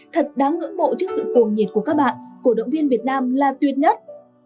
thật đáng ngưỡng mộ trước sự cuồng nhiệt của các bạn cổ động viên việt nam là tuyệt nhất